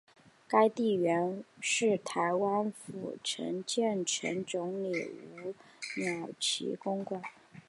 该地原是台湾府城建城总理吴鸾旗公馆。